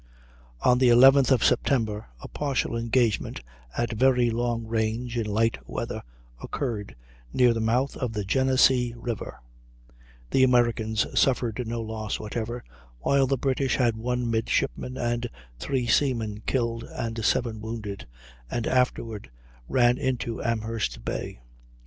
On the 11th of September a partial engagement, at very long range, in light weather, occurred near the mouth of the Genesee River; the Americans suffered no loss whatever, while the British had one midshipman and three seamen killed and seven wounded, and afterward ran into Amherst Bay.